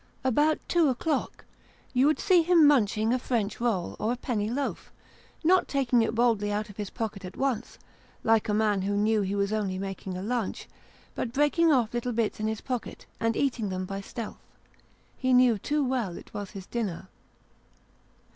About two o'clock, you would see him munching a French roll or a penny loaf ; not taking it boldly out of his pocket at once, like a man who knew he was only making a lunch ; but breaking off little bits in his pocket, and eating them by stealth. He knew too well it was his dinner.